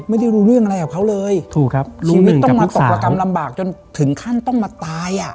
ไม่ได้รู้เรื่องอะไรกับเขาเลยถูกครับชีวิตต้องมาตกระกรรมลำบากจนถึงขั้นต้องมาตายอ่ะ